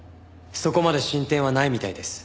そこまで進展はないみたいです。